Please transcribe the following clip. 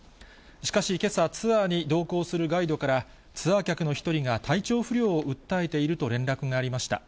しかしけさ、ツアーに同行するガイドから、ツアー客の１人が体調不良を訴えていると連絡がありました。